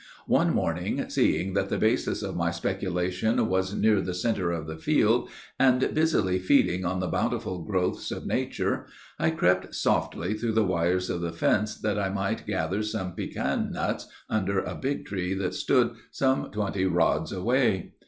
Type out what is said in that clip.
"One morning, seeing that the basis of my speculation was near the centre of the field, and busily feeding on the bountiful growths of nature, I crept softly through the wires of the fence that I might gather some pecan nuts under a big tree that stood some twenty rods away.